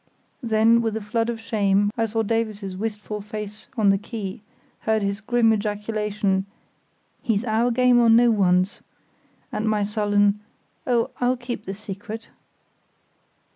Then with a flood of shame I saw Davies's wistful face on the quay, heard his grim ejaculation: "He's our game or no one's"; and my own sullen "Oh, I'll keep the secret!"